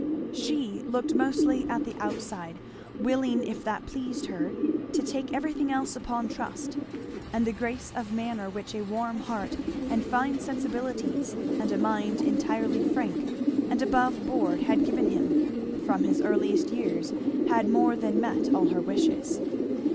She looked mostly at the outside, willing if that pleased her to take everything else upon trust; and the grace of manner which a warm heart and fine sensibilities and a mind entirely frank and above board had given him, from his earliest years had more than met all her wishes.